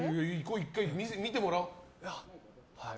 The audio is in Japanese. １回見てもらおう。